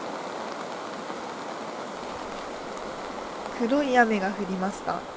黒い雨が降りました。